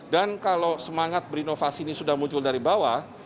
dan kalau semangat berinovasi ini sudah muncul dari bawah